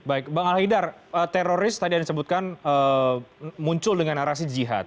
baik bang alhidar teroris tadi yang disebutkan muncul dengan narasi jihad